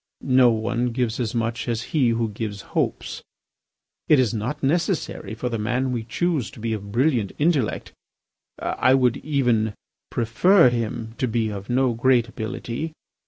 No one gives as much as he who gives hopes. It is not necessary for the man we choose to be of brilliant intellect. I would even prefer him to be of no great ability.